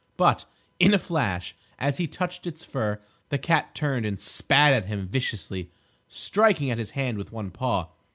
But, in a flash, as he touched its fur, the cat turned and spat at him viciously, striking at his hand with one paw.